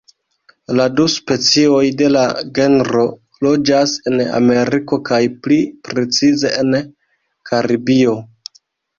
La du specioj de la genro loĝas en Ameriko kaj pli precize en Karibio.